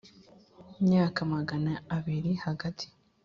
myaka magana abiri Hagati